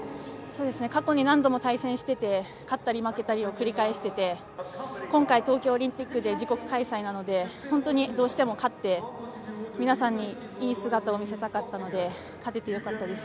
過去に何度も対戦してて、勝ったり負けたりを繰り返してて、今回、東京オリンピックで自国開催なので、本当にどうしても勝って、皆さんにいい姿を見せたかったので、勝ててよかったです。